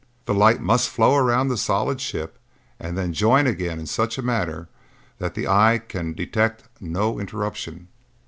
The light must flow around the solid ship and then join again in such a manner that the eye can detect no interruption."